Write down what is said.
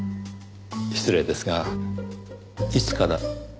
失礼ですがいつから？